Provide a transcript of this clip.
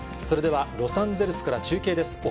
それではロサンゼルスから中継です。